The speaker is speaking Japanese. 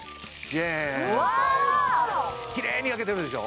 ジューっときれいに焼けてるでしょ